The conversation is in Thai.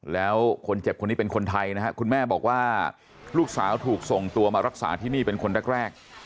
แล้วคนเจ็บคนนี้เป็นคนไทยนะครับคุณแม่บอกว่าลูกสาวถูกส่งตัวมารักษาที่นี่เป็นคนแรก